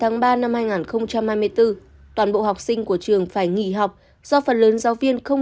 ngày một mươi tám tháng ba năm hai nghìn hai mươi bốn toàn bộ học sinh của trường phải nghỉ học do phần lớn giáo viên không